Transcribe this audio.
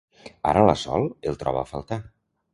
Ara la Sol el troba a faltar.